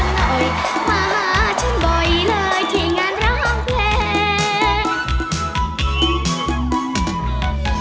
มาหาฉันบ่อยเลยที่งานร้างเพลง